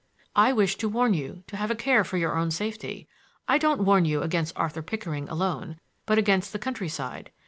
"I wished to warn you to have a care for your own safety. I don't warn you against Arthur Pickering alone, but against the countryside.